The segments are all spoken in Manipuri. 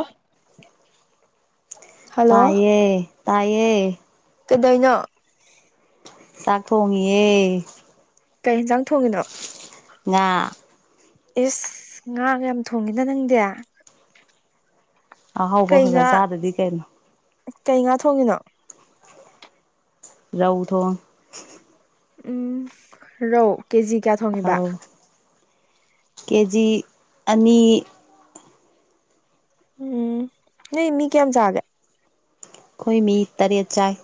ꯑꯐ [unintelligible] ꯇꯥꯏꯌꯦꯌꯦ ꯇꯥꯏꯌꯦꯌꯦ ꯀꯔꯤꯗꯧꯔꯤꯅꫭ ꯆꯥꯛ ꯊꫭꯡꯏꯌ° ꯀꯔꯤ ꯌꯦꯟꯖꯥꯡ ꯊꯣꯡꯉꯤꯅꯣ? ꯉꯥ꯫ ꯑꯁ ꯉꯥ ꯌꯥꯝꯅ ꯊꯣꯡꯉꯤꯅ ꯅꯪꯗꯤ ꯑꯍꯥꯎꯕ ꯀꯩ ꯈꯔ ꯈꯔ ꯉꯥ ꯆꯥꯗꯗꯤ ꯀꯩꯅꯣ ꯀꯩ ꯉꯥ ꯊꯣꯡꯉꯤꯅꯣ? ꯔꯧꯏ ꯊꯣꯡꯏ ꯎꯝ ꯔꯧ ꯀꯦꯖꯤ ꯀꯌꯥ ꯊꯣꯡꯉꯤꯕꯥ? ꯑꯧ ꯀꯦꯖꯤ ꯑꯅꯤ ꯃꯨꯛ ꯎꯝ ꯅꫭꯏ ꯃꯤ ꯀꯌꯥꯝ ꯆꯥꯒꯦ? ꯑꯩꯈꯣꯏ ꯃꯤ ꯇꯔꯦꯠ ꯆꯥꯏ꯫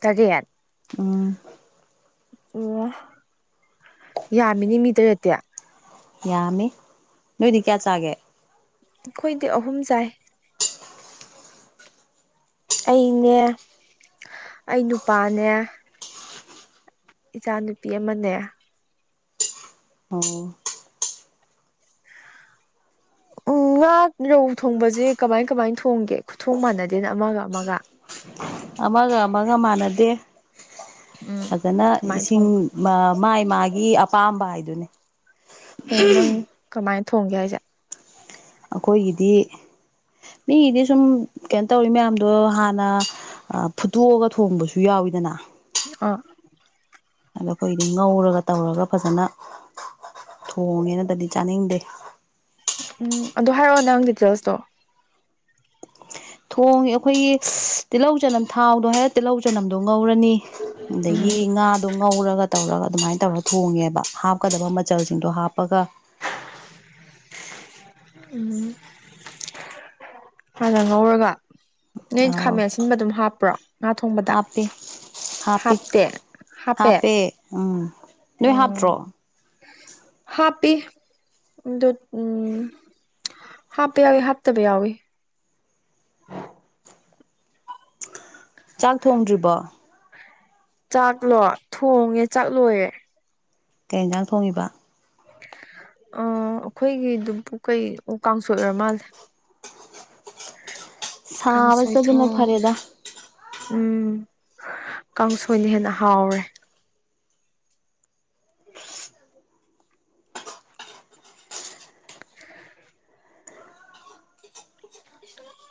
ꯇꯥꯔꯦꯠ? ꯎꯝꯝ ꯑꯣꯑ ꯌꯥꯝꯃꯤ ꯅꯥ ꯃꯤ ꯇꯔꯔ°ꯠꯇꯤ ꯌꯥꯃꯤ ꯅꯣꯏꯒꯤꯗꯤ ꯀꯌꯥ ꯆꯥꯒꯦ? ꯑꯩꯈꯣꯏꯗꯤ ꯑꯍꯨꯝ ꯈꯛ ꯆꯥꯏ꯫ ꯑꯩꯅꯦ ꯑꯩ ꯅꯨꯄꯥꯅꯦ ꯑꯗꯨꯒ ꯏꯆꯥ ꯅꯨꯨꯄꯤ ꯑꯃꯒꯥ꯫ ꯑꯣꯑꯑ ꯎꯝꯝ ꯉꯥꯛ ꯔꯧ ꯊꯣꯡꯕꯁꯤ ꯀꯃꯥꯏ ꯀꯃꯥꯏ ꯊꯣꯡꯕꯒꯦ ꯈꯨꯊꯣꯡ ꯃꯥꯟꯅꯗꯦꯅ ꯑꯃꯒ ꯑꯃꯒ? ꯑꯃꯒ ꯑꯃꯒ ꯃꯥꯟꯅꯗꯦꯅꯥ ꯎꯝ ꯐꯖꯅ ꯀꯃꯥꯏꯅ ꯏꯁꯤꯡ ꯊꯣꯡꯕ ꯃꯥꯥꯏ ꯃꯥꯒꯤ ꯑꯄꯥꯝꯕ ꯍꯥꯏꯗꯨꯅꯤ꯫ ꯑꯣꯑ ꯅꯪꯗꯤ ꯀꯃꯥꯏꯅ ꯊꯣꯡꯒꯦ ꯍꯥꯏꯁꯦ? ꯑꯩꯈꯣꯏꯗꯤ ꯃꯤꯒꯤꯗꯤ ꯁꯨꯝ ꯀꯩꯅꯣ ꯇꯧꯔꯤ ꯃꯌꯥꯝꯗꯣ ꯍꯥꯟꯅ ꯁꯨꯝ ꯐꯨꯠꯇꯣꯛꯑꯒ ꯊꯣꯡꯕꯁꯨ ꯌꯥꯎꯏꯗꯅꯥ꯫ ꯑꫭꯑ ꯑꯩꯈꯣꯏꯗꯤ ꯉꯧꯔꯒ ꯇꯧꯔꯒ ꯐꯖꯅꯥ꯫ ꯊꯣꯡꯉꯦꯅ ꯇꯗꯤ ꯆꯥꯅꯤꯡꯗꯦ ꯎꯝ ꯑꯗꯨ ꯍꯥꯏꯔꯛꯑꯣ ꯅꯪ ꯗꯤꯇꯦꯜꯁꯇꯣ ꯊꯣꯡꯉꯦ ꯑꯩꯈꯣꯏꯒꯤ ꯇꯤꯜꯍꯧ ꯆꯅꯝ ꯊꯥꯎꯗꯣ ꯍꯥꯏꯔ ꯇꯤꯜꯍꯧ ꯆꯅꯝꯗꯣ ꯉꯧꯔꯅꯤ ꯑꯗꯒꯤ ꯎꯝ ꯉꯥꯗꯣ ꯉꯧꯔꯒ ꯇꯧꯔꯒ ꯑꯗꯨꯃꯥꯏꯅ ꯇꯧꯔꯒ ꯊꯣꯡꯉꯦꯕ ꯍꯥꯞꯀꯗꯕ ꯃꯆꯜꯁꯤꯡꯗꯣ ꯍꯥꯞꯄꯒ ꯎꯝ ꯍꯥꯟꯅ ꯉꯧꯔꯒ ꯅꯣꯏ ꯑꯧ ꯈꯥꯃꯦꯟ ꯑꯁꯤꯟꯕ ꯑꯗꯨꯝ ꯍꯥꯞꯄ꯭ꯔꯣ ꯉꯥ ꯊꯣꯡꯕꯗ ꯍꯥꯞꯄꯦ ꯍꯥꯞꯄꯦ ꯍꯥꯞꯇꯦ ꯍꯥꯞꯄꯦ ꯅꯣꯏ ꯎꯝ ꯍꯥꯞꯇ꯭ꯔꯣ ꯍꯥꯞꯄꯤ ꯎꯝ ꯍꯥꯞꯄ ꯌꯥꯎꯋꯤ ꯍꯥꯐꯇꯕ ꯌꯥꯎꯋꯤ ꯆꯥꯛ ꯊꯣꯡꯗ꯭ꯔꯤꯕꯣ ꯆꯥꯛꯂꯣ ꯊꯣꯡꯉꯦ ꯆꯥꯛꯂꯣꯏꯔꯦ ꯀꯩ ꯌꯦꯟꯖꯥꯡ ꯊꯣꯡꯉꯤꯕ ꯑ ꯑꯩꯈꯣꯏꯒꯤꯗꯨꯕꯨ ꯀꯩ ꯀꯥꯡꯁꯣꯏ ꯑꯣꯏꯔ ꯃꯥꯜꯂꯦ ꯀꯥꯡꯁꯣꯏ ꯁꯥꯕꯁꯤꯗꯕꯨꯅ ꯊꯣꯡꯉꯦ ꯐꯔꯦꯗ ꯎꯝ ꯀꯥꯡꯁꯣꯏꯅ ꯍꯦꯟꯅ ꯍꯥꯎꯔꯦ [inaudible]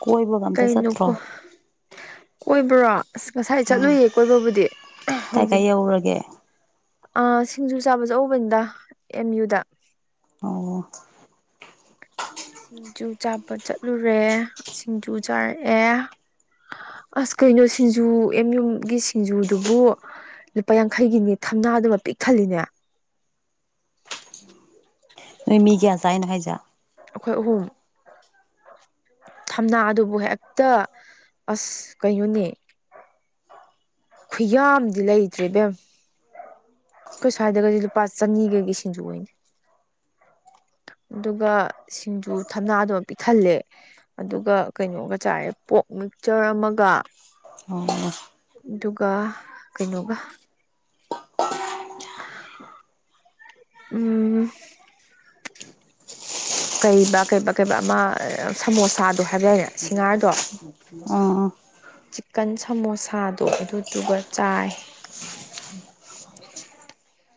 ꯀꯣꯏꯕꯒ ꯑꯝꯇ ꯀꯩꯅꯣ ꯆꯠꯇ꯭ꯔꯣ ꯀꯣ ꯀꯣꯏꯕ꯭ꯔꯣ ꯑꯁ ꯉꯁꯥꯏ ꯑꯥ ꯆꯠꯂꯨꯏꯌꯦ ꯀꯣꯏꯕꯕꯨꯗꯤ ꯀꯥꯏ ꯀꯥꯏ ꯍꯧꯖꯤꯛ ꯌꯧꯔꯒꯦ ꯑ ꯁꯤꯡꯖꯨ ꯆꯥꯕ ꯆꯧꯕꯅꯤꯗ ꯑꯦꯝ ꯌꯨꯗ ꯑꯣ ꯁꯤꯡꯖꯨ ꯆꯥꯕ ꯆꯠꯂꯨꯔꯦ ꯁꯤꯡꯖꯨ ꯆꯥꯔꯛꯑꯦ ꯑꯁ ꯀꯩꯅꯣ ꯁꯤꯡꯖꯨ ꯑꯦꯝ ꯌꯨꯒꯤ ꯁꯤꯡꯖꯨꯗꯨꯕꯨ ꯂꯨꯄꯥ ꯌꯥꯡꯈꯩꯒꯤꯅꯦ ꯊꯝꯅꯥꯗꯨꯃ ꯄꯤꯛ ꯊꯜꯂꯤꯅꯦ ꯅꯣꯏ ꯃꯤ ꯀꯌꯥ ꯆꯥꯏꯅꯣ ꯍꯥꯏꯖꯦ ꯑꯩꯈꯣꯏ ꯑꯍꯨꯝ ꯊꯝꯅꯥ ꯑꯗꯨꯕꯨ ꯍꯦꯛꯇ ꯑꯁ ꯀꯩꯅꯣꯅꯦ ꯈꯨꯌꯥꯝꯗꯤ ꯂꯩꯇ꯭ꯔꯦ ꯏꯕꯦꯝ ꯑꯩꯈꯣꯏ ꯁ꯭ꯋꯥꯏꯗꯒꯗꯤ ꯂꯨꯄꯥ ꯆꯅꯤꯒꯒꯤ ꯁꯤꯡꯖꯨ ꯑꯣꯏꯅꯤ ꯑꯗꯨꯒ ꯁꯤꯡꯖꯨ ꯊꯝꯅꯥꯗꯨꯃ ꯄꯤꯛꯊꯜꯂꯦ ꯑꯗꯨꯒ ꯀꯩꯅꯣꯒ ꯆꯥꯔꯦ ꯄꯣꯛ ꯃꯤꯛꯆꯔ ꯑꯃꯒ ꯑꯥ ꯑꯗꯨꯒ ꯀꯩꯅꯣꯒ ꯎꯝ ꯀꯩꯕ ꯀꯩꯕ ꯀꯩꯕ ꯑꯃ ꯁꯃꯣꯁꯥꯗꯣ ꯍꯥꯏꯕ ꯌꯥꯏꯅꯦ ꯁꯤꯡꯍꯔꯗꯣ ꯑꯥ ꯆꯤꯛꯀꯟ ꯁꯃꯣꯁꯥꯗꯣ ꯑꯗꯨꯗꯨꯒ ꯆꯥꯏ [inaudible]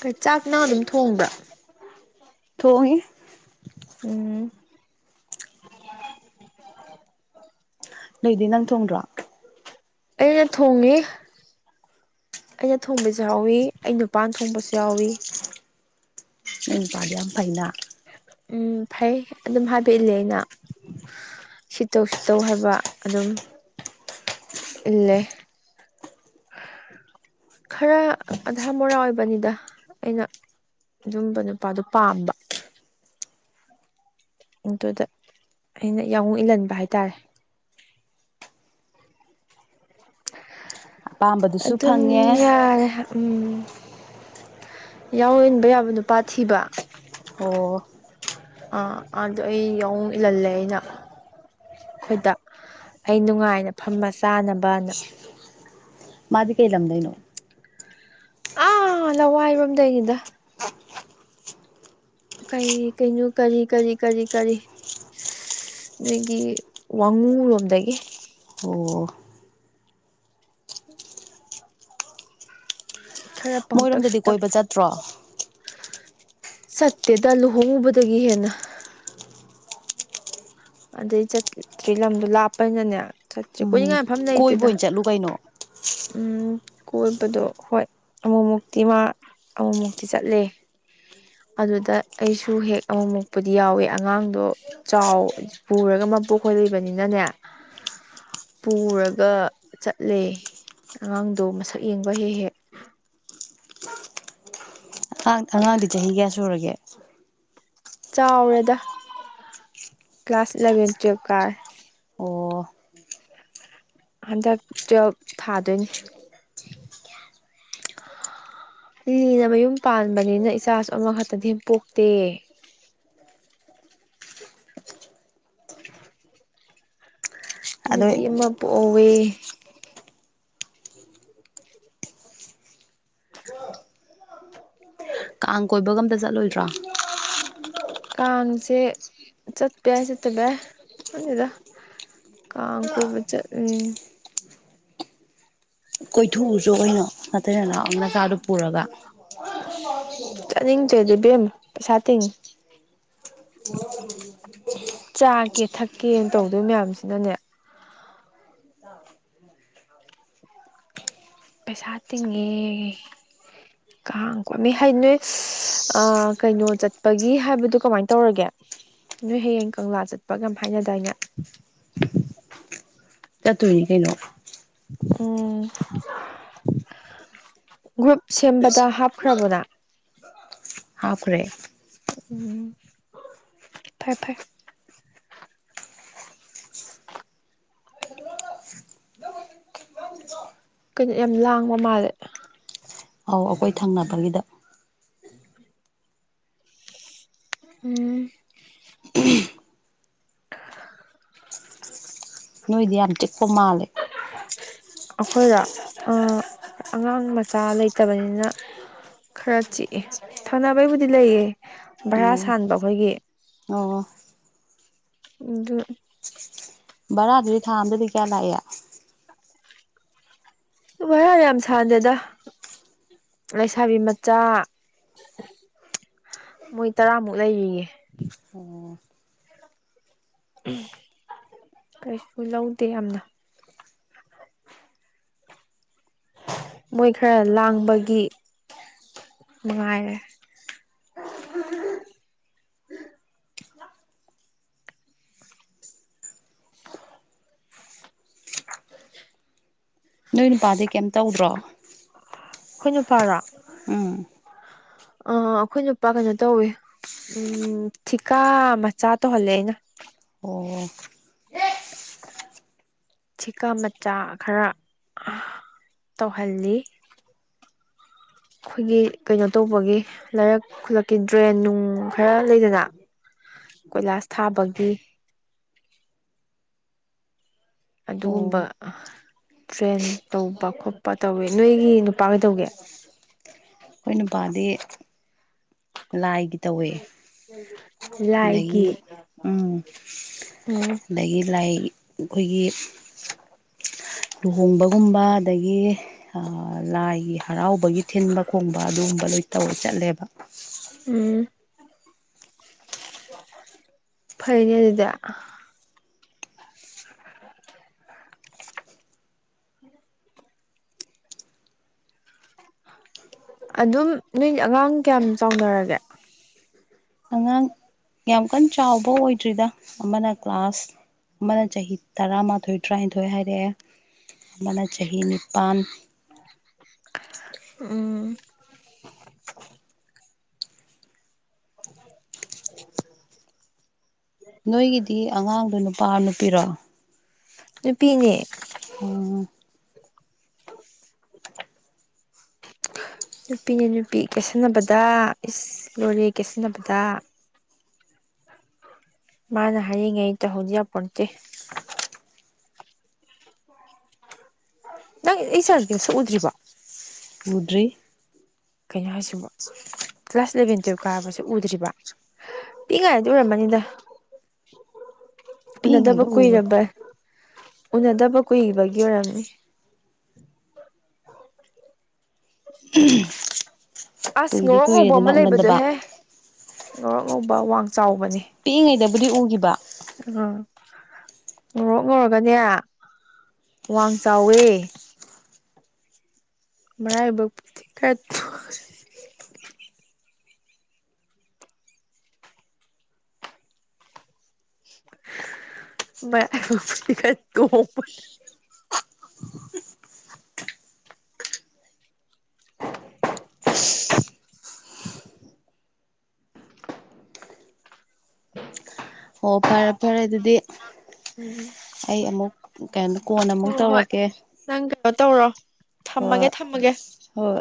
ꯀꯩ ꯆꯥꯛ ꯅꯪ ꯑꯗꯨꯝ ꯊꯣꯡꯕ꯭ꯔꯥ ꯊꯣꯡꯉꯤ ꯎꯝ ꯅꯣꯏꯗꯤ ꯅꯪ ꯊꯣꯡꯗ꯭ꯔꯣ ꯑꯩꯅ ꯊꯣꯡꯉꯤ ꯑꯩꯅ ꯊꯣꯡꯕꯁꯨ ꯌꯥꯎꯋꯤ ꯑꯩ ꯅꯨꯄꯥꯅ ꯊꯣꯡꯕꯁꯨ ꯌꯥꯎꯏꯤ ꯅꯪ ꯅꯨꯄꯥꯗꯤ ꯌꯥꯝ ꯐꯩꯅꯥ ꯎꯝ ꯐꯩ ꯑꯗꯨꯝ ꯍꯥꯏꯕ ꯏꯜꯂꯦ ꯑꯩꯅ ꯁꯤꯇꯧ ꯁꯤꯇꯧ ꯍꯥꯏꯕ ꯑꯗꯨꯝ ꯏꯜꯂꯦ ꯈꯔ ꯑꯙꯥ ꯃꯣꯔꯥ ꯑꯣꯏꯕꯅꯤꯗ ꯑꯩꯅ ꯑꯗꯨꯝꯕ ꯅꯨꯄꯥꯗꯣ ꯄꯥꯝꯕ ꯑꯗꯨꯗ ꯑꯩꯅ ꯌꯥ ꯑꯣꯡ ꯏꯜꯍꯟꯕ ꯍꯥꯏꯇꯥꯔꯦ ꯑꯄꯥꯝꯕꯗꯨꯁꯨ ꯑꯗꯨꯝ ꯐꯪꯉꯦ ꯌꯥꯔꯦ ꯎꯝ ꯌꯥꯎꯟꯕ ꯌꯥꯕ ꯅꯨꯄꯥ ꯊꯤꯕ ꯑꯣ ꯑꯥꯗꯣ ꯑꯩ ꯌꯥꯎ ꯏꯜꯍꯜꯂꯦ ꯑꯩꯅ ꯑꯩꯈꯣꯏꯗ ꯑꯩ ꯅꯨꯡꯉꯥꯏꯅ ꯐꯝꯕ ꯆꯥꯅꯕꯅ ꯃꯥꯗꯤ ꯀꯩ ꯂꯝꯗꯩꯅꯣ ꯑ ꯂ ꯋꯥ ꯏꯕꯝꯗ ꯍꯒꯗ ꯀꯩ ꯀꯩꯅꯣ ꯀꯔꯤ ꯀꯔꯤ ꯀꯔꯤ ꯀꯔꯤ ꯅꯣꯏꯒꯤ ꯋꯥꯉꯨꯔꯣꯝꯗꯒꯤ ꯑꯣ ꯁꯔ ꯄꯪꯇꯛꯁꯨ ꯃꯣꯏꯔꯣꯝꯗꯗꯤ ꯇꯛ ꯀꯣꯏꯕ ꯆꯠꯇ꯭ꯔꯣ ꯁꯠꯇꯦꯗ ꯂꯨꯍꯣꯡꯉꯕꯗꯒꯤ ꯍꯦꯟꯅ ꯑꯗꯩ ꯆꯠꯇ꯭ꯔꯤ ꯂꯝꯗꯣ ꯂꯥꯞꯄꯅꯅꯦ ꯆꯠꯇ꯭ꯔꯤ ꯎꯝ ꯀꯨꯣꯏꯏꯅꯤꯡꯉꯥꯏ ꯃꯐꯝ ꯀꯣꯏꯕ ꯂꯩꯇꯦꯗ ꯑꯣꯏꯅ ꯆꯠꯂꯨ ꯀꯩꯅꯣ ꯎꯝ ꯀꯣꯏꯕꯗꯣ ꯍꯣꯏ ꯑꯃꯨꯛꯃꯨꯛꯇꯤ ꯃꯥ ꯑꯃꯨꯛꯃꯨꯛꯇꯤ ꯆꯠꯂꯦ ꯑꯗꯨꯗ ꯑꯩꯁꯨ ꯍꯦꯛ ꯑꯃꯨꯛ ꯃꯨꯛꯄꯗꯤ ꯌꯥꯎꯋꯦ ꯑꯉꯥꯡꯗꯣ ꯆꯥꯎ ꯄꯨꯔꯒ ꯄꯣꯛꯈꯣꯏ ꯂꯩꯕꯅꯤꯅꯅꯦ ꯄꯨꯔꯒ ꯆꯠꯂꯦ ꯑꯉꯥꯡꯗꯣ ꯃꯁꯛ ꯌꯦꯡꯕ ꯍꯦꯛ ꯍꯦꯛ ꯥꯡ ꯑꯉꯥꯡꯗꯤ ꯆꯍꯤ ꯀꯌꯥ ꯁꯨꯔꯒꯦ ꯆꯥꯎꯔꯦꯗ ꯀ꯭ꯂꯥꯁ ꯏꯂꯚꯦꯟ ꯇꯨꯌꯦꯦꯜꯞ ꯀꯥꯔꯦ ꯑꯣ ꯍꯟꯗꯛ ꯇꯨꯋꯜꯐ ꯊꯥꯗꯣꯏꯅꯤ [inaudible] ꯂꯤ ꯃꯌꯨꯝ ꯄꯥꯟꯕꯅꯤꯅ ꯏꯆꯥꯁꯨ ꯑꯃꯈꯛꯇꯗꯤ ꯄꯣꯛꯇꯦ ꯑꯗꯣ ꯅꯨꯄꯤ ꯑꯃꯃ ꯄꯣꯛꯋꯦ ꯀꯥꯡ ꯀꯣꯏꯕꯒꯝꯇ ꯆꯠꯂꯣꯏꯗ꯭ꯔꯥ ꯀꯥꯡꯁꯦ ꯆꯠꯄ ꯌꯥꯏ ꯆꯠꯇꯕ ꯌꯥꯏ ꯑꯗꯨꯗ ꯀ ꯀꯣꯏ ꯆ ꯎꯝ ꯀꯣꯏꯊꯣꯛꯎꯁꯨ ꯑꯣꯏꯅꯣ ꯅꯠꯇ꯭ꯔ ꯅꯅ ꯅꯆꯥꯗꯨ ꯄꯨꯔꯒ [inaudible] ꯄꯦꯝ ꯁꯥꯇ ꯆꯥꯀꯦ ꯊꯛꯀꯦꯅ ꯇꯧꯗꯣꯏ ꯃꯌꯥꯝꯁꯤꯅꯅꯦ ꯄꯩꯁꯥ ꯇꯤꯡꯉꯦ ꯀꯥꯡ ꯀꯣꯃꯤ ꯍꯥꯏ ꯅꯣꯏ ꯀꯩꯅꯣ ꯆꯠꯄꯒꯤ ꯍꯥꯏꯕꯗꯨꯣ ꯀꯃꯥꯏ ꯇꯧꯔꯒꯦ ꯅꯣꯏ ꯍꯌꯦꯡ ꯀꯪꯂꯥ ꯆꯠꯄ ꯀ ꯍꯥꯏꯅꯗꯥꯏꯅ ꯆꯠꯇꯣꯏꯅꯤ ꯀꯩꯅꯣ ꯎꯝ ꯒ꯭ꯔꯨꯞ ꯁꯦꯝꯕꯗ ꯍꯥꯞꯈ꯭ꯔꯕꯣꯅ ꯍꯥꯈ꯭ꯔꯦ ꯎꯝ ꯐꯥꯏ ꯐꯥꯏ ꯀꯩꯅ ꯌꯥꯝ ꯂꯥꯡꯕ ꯃꯥꯜꯂꯦ ꯑꯧ ꯑꯩꯈꯣꯏ ꯊꯪꯅꯕꯒꯤꯗ ꯎꯝ ꯁꯣꯃꯥꯂꯦ ꯑꯩꯈꯣꯏꯗ ꯑꯉꯥꯡ ꯃꯆꯥ ꯂꯩꯇꯕꯅꯤꯅ ꯈꯔ ꯆꯤꯛꯑꯦ ꯊꯪꯅꯕꯩꯕꯨꯗꯤ ꯂꯩꯌꯦ ꯚꯔꯥ ꯑꯧ ꯁꯥꯟꯕ ꯑꯩꯈꯣꯏꯒꯤ ꯑꯣ ꯑꯗꯨꯗ ꯕꯔꯥꯗꯨꯗꯤ ꯊꯥ ꯑꯝꯗꯗꯤ ꯀꯌꯥ ꯂꯥꯛꯑꯦ ꯋꯥꯔ ꯌꯥꯝ ꯁꯥꯟꯗꯦꯗ ꯂꯩꯁꯥꯕꯤ ꯃꯆꯥ ꯃꯣꯏ ꯇꯔꯥꯃꯨꯛ ꯂꯩꯔꯤꯌꯦꯦ ꯀꯩꯁꯨ ꯂꯧꯗꯦ ꯌꯥꯝꯅ ꯃꯣꯏ ꯈꯔ ꯂꯥꯡꯕꯒꯤ ꯅꯨꯡꯉꯥꯏꯔꯦ [inaudible] ꯅꯣꯏ ꯅꯨꯄꯥꯗꯤ ꯀꯩꯝ ꯇꯧꯗ꯭ꯔꯣ ꯈꫭꯏ ꯅꯨꯄꯥꯔꯥ ꯑꯥ ꯑ ꯑꯩꯈꯣꯏ ꯅꯨꯄꯥ ꯀꯩꯅꯣ ꯇꯧꯋꯦ ꯎꯝ ꯊꯤꯀꯥ ꯃꯆꯥ ꯇꯧꯍꯜꯂꯦ ꯑꯩꯅ ꯑꯣ ꯊꯤꯀꯥ ꯃꯆꯥ ꯈꯔ ꯇꯧꯍꯜꯂꯤ [inaudible] ꯑꯩꯈꯣꯏꯒꯤ ꯀꯩꯅꯣ ꯇꯧꯕꯒꯤ ꯂꯩꯥꯏꯔꯛ ꯈꯨꯂꯛꯀꯤ ꯗ꯭ꯔꯦꯟ ꯅꯨꯡ ꯈꯔ ꯂꯩꯗꯅ ꯀꯣꯏꯂꯥꯁ ꯊꯥꯕꯒꯤ ꯑꯗꯨꯒꯨꯝꯕ ꯑꯣ ꯇ꯭ꯔꯦꯟ ꯇꯧꯕ ꯈꯣꯠꯄ ꯇꯧꯋꯤ ꯅꯣꯏꯒꯤ ꯅꯨꯄꯥꯈꯩ ꯇꯧꯒꯦ ꯑꯩꯈꯣꯏꯅ ꯄꯥꯗꯤ ꯂꯥꯏꯒꯤ ꯇꯧꯋꯦ ꯎꯝ ꯎꯝ ꯑꯗꯒꯤ ꯎꯝ ꯎꯝ ꯑꯗꯒꯤ ꯂꯥꯏ ꯑꯩꯈꯣꯏꯒꯤ ꯂꯨꯍꯣꯡꯕ ꯨꯝꯕ ꯑꯗꯒꯤ ꯂꯥꯏꯒꯤ ꯍꯔꯥꯎꯕꯒꯤ ꯊꯤꯟꯕ ꯈꯣꯡ ꯑꯗꯨꯒꯨꯝꯕ ꯂꯣꯏ ꯇꯧꯔ ꯆꯠꯂꯦꯕ ꯐꯩꯅꯤ ꯑꯗꯨꯗ ꯑꯗꯨꯝ ꯅꯣꯏ ꯑꯉꯥꯡ ꯀꯌꯥꯝ ꯆꯥꯎꯅꯔꯒꯦ ꯑꯉꯥꯡ ꯌꯥꯝ ꯀꯟꯅ ꯆꯥꯎꯕ ꯑꯣꯏꯗ꯭ꯔꯤꯗ ꯑꯃꯅ ꯀ꯭ꯂꯥꯁ ꯑꯃꯅ ꯆꯍꯤ ꯇꯔꯥꯃꯥꯊꯣꯏ ꯇꯔꯥꯅꯤꯊꯣꯏ ꯍꯥꯏꯔꯛꯑꯦ ꯑꯃꯅ ꯆꯍꯤ ꯅꯤꯄꯥꯜ ꯎꯝ [inaudible] ꯅꯣꯏꯒꯤꯗꯤ ꯑꯉꯥꯡꯗꯣ ꯅꯨꯄꯥ ꯅꯨꯄꯤꯔꯣ ꯅꯨꯄꯤꯅꯦ ꯑꯣꯝ [inaudible] ꯅꯨꯄꯤꯅ ꯅꯨꯄꯤ ꯀꯦꯁꯟꯅꯕꯗ ꯏꯁ ꯂꯣꯣꯔꯦ ꯀꯦꯁꯟꯅꯕꯗ ꯃꯥꯅ ꯍꯥꯏꯌꯦꯉꯦ ꯑꯩ ꯇ ꯍꯧꯗꯤꯌꯥ ꯄꯇ ꯅꯪ ꯑꯩ ꯆꯥꯝꯁꯎꯗ꯭ꯔꯤꯕ ꯃꯨꯗ꯭ꯔꯤ ꯀꯩꯅꯣ ꯍꯥꯏꯁꯤꯕ ꯀ꯭ꯂꯥꯁ ꯏꯂꯦꯚꯦꯟ ꯇꯨꯋꯜꯞ ꯀꯥꯕꯁꯨ ꯎꯗ꯭ꯔꯤꯕ ꯄꯤꯛꯉꯥꯏꯗꯤ ꯑꯣꯏꯔꯝꯃꯅꯤꯗ ꯅ ꯅꯗꯕ ꯄꯤꯛꯏꯉꯩꯗ ꯀꯏ ꯎꯔꯕ ꯔꯕꯥ ꯎꯅꯗꯕ ꯀꯨꯏꯕꯒꯤ ꯑꯣꯏꯔꯝꯃꯤ ꯝ ꯑꯁ ꯉꯣꯔꯣꯛ ꯉꯧꯕ ꯑꯃ ꯂꯩꯕꯗꯣꯍꯦ ꯉꯣꯔꯣꯛ ꯉꯧꯕ ꯋꯥꯡ ꯆꯥꯎꯕꯅꯤ ꯄꯤꯛꯏꯉꯩꯗꯕꯨꯗꯤ ꯎꯈꯤꯕ ꯎꯝ ꯎꯔꯣꯛꯉꯨꯔꯒꯗꯤ ꯋꯥꯡ ꯆꯥꯎꯋꯦ ꯃꯔꯥꯏꯕꯛꯄꯨꯗꯤ ꯈꯔ ꯊ ꯃꯄꯒ ꯇ ꯑꯣ ꯄꯔꯄꯔ ꯑꯗꯨꯗꯤ ꯎꯝ ꯑꯩ ꯑꯃꯨꯛ ꯀꯩꯅꯣꯗ ꯀꯣꯟ ꯑꯃꯨꯛ ꯍꯣꯏ ꯍꯣꯏ ꯇꯧꯔꯛꯀꯦ ꯅꯪ ꯀꯩꯅꯣ ꯇꯧꯔꯣ ꯊꯝꯃꯒꯦ ꯍꯣꯏ ꯊꯝꯃꯒꯦ ꯍꯣꯏ